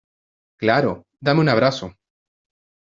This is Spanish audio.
Claro. Dame un abrazo .